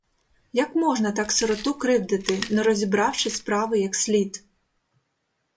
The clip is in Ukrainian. Як можна так сироту кривдити, не розібравши справи як слід!